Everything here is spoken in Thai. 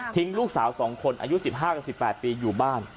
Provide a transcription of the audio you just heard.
ทิ้งลูกสาวสองคนอายุ๑๕๑๘ปีอยู่บ้าน